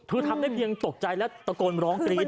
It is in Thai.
คือทำได้เพียงตกใจและตะโกนร้องกรี๊ด